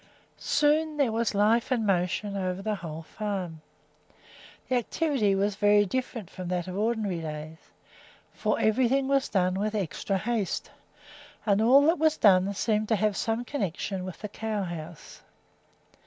Soon there was life and motion over the whole farm. The activity was very different from that of ordinary days, for everything was done with extra haste, and all that was done seemed to have some connection with the cow house.